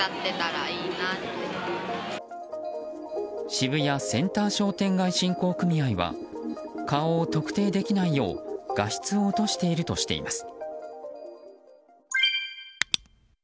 渋谷センター商店街振興組合は顔を特定できないよう画質を落としているとしています。